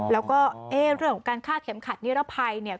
แล้วก็เอ๊ะเรื่องของการฆ่าเข็มขัดนิรภัยเนี่ย